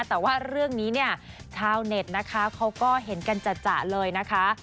แต่ว่าเรื่องนี้เนี่ยชาวเน็ตนะคะเขาก็เห็นกันจัดเลยนะคะ